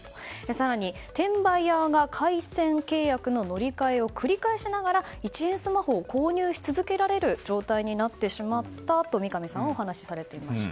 更に、転売ヤーが回線契約の乗り換えを繰り返しながら１円スマホを購入し続けられる状態になってしまったと三上さんはお話していました。